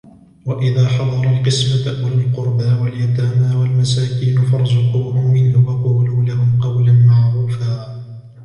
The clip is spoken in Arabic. وَإِذَا حَضَرَ الْقِسْمَةَ أُولُو الْقُرْبَى وَالْيَتَامَى وَالْمَسَاكِينُ فَارْزُقُوهُمْ مِنْهُ وَقُولُوا لَهُمْ قَوْلًا مَعْرُوفًا